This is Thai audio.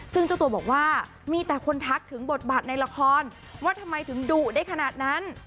ซึ่งเจ้าตัวบอกว่ามีแต่คนทักถึงบทบาทในละครว่าทำไมถึงดุได้ขนาดนั้น